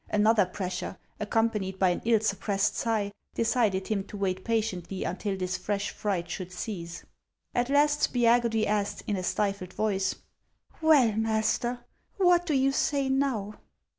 Another pressure, accompanied by an ill suppressed sigh, decided him to wait patiently until this fresh fright should cease. At last Spiagudry asked, in a stifled voice :" Well, master, what do you say now